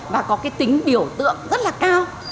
và có cái tính biểu tượng rất là cao